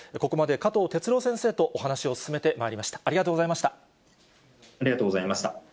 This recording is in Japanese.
ここまで加藤哲朗先生とお話を進めてまいりました。